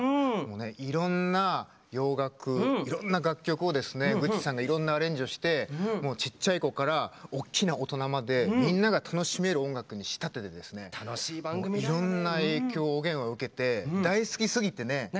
いろんな洋楽、いろんな楽曲をグッチさんがいろんなアレンジをしてちっちゃい子から大きな大人までみんなが楽しめる音楽に仕立てていろんな影響を、おげんは受けて何？